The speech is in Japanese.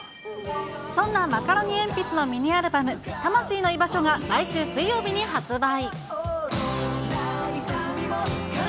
そんなマカロニえんぴつのミニアルバム、たましいの居場所が来週水曜日に発売。